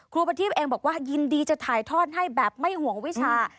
ประทีบเองบอกว่ายินดีจะถ่ายทอดให้แบบไม่ห่วงวิชา